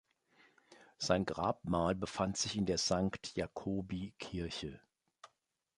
Sein Grabmal befand sich in der Sankt-Jakobi-Kirche.